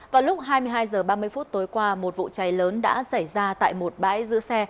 vào lúc hai mươi hai h ba mươi phút tối qua một vụ cháy lớn đã xảy ra tại một bãi giữ xe